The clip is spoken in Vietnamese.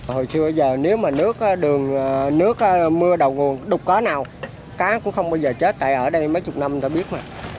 hồi xưa bây giờ nếu mà nước đường nước mưa đầu nguồn đục có nào cá cũng không bao giờ chết tại ở đây mấy chục năm đã biết mà